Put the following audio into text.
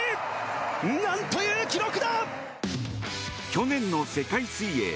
去年の世界水泳。